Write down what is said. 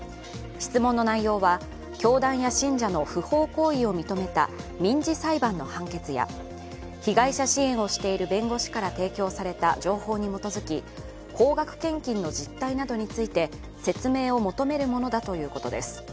質問の内容は、教団や信者の不法行為を認めた民事裁判の判決や、被害者支援をしている弁護士から提供された情報に基づき、高額献金の実態などについて説明を求めるものだということです。